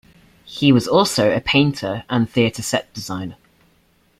He was also a painter and theatre set designer.